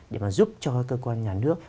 để mà giúp cho cơ quan nhà nước